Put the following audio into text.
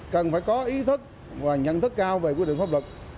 cần phải có ý thức và nhận thức cao về quy định pháp luật